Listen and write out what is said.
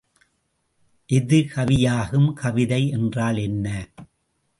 எது கவியாகும் கவிதை என்றால் என்ன?